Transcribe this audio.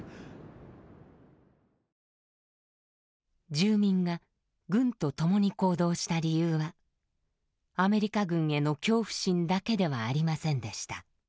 住民が軍と共に行動した理由はアメリカ軍への恐怖心だけではありませんでした。